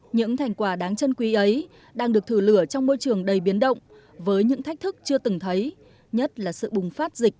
những thành quả đáng chân quý ấy đang được thử lửa trong môi trường đầy biến động với những thách thức chưa từng thấy nhất là sự bùng phát dịch